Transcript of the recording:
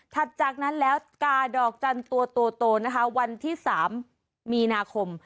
จากนั้นแล้วกาดอกจันทร์ตัวโตนะคะวันที่๓มีนาคม